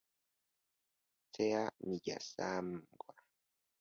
Sae Miyazawa